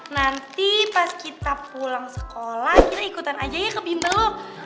nanti pas kita pulang sekolah kita ikutan aja ya ke bimbel loh